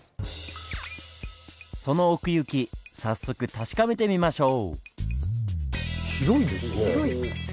その奥行き早速確かめてみましょう！